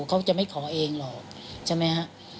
เขาจะไม่ขอเองหรอกใช่ไหมฮะ